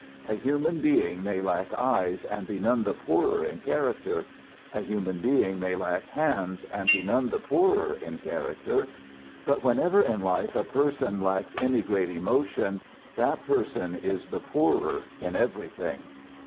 A human being may lack eyes and be none the poorer in character; a human being may lack hands and be none the poorer in character; but whenever in life a person lacks any great emotion, that person is the poorer in everything.